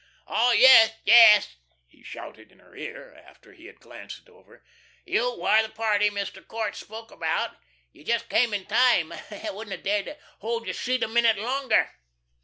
"Oh, yes, oh, yes," he shouted in her ear, after he had glanced it over. "You were the party Mr. Court spoke about. You just came in time. I wouldn't 'a dared hold your seat a minute longer."